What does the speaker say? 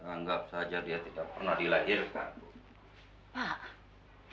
anggap saja dia tidak pernah dilahirkan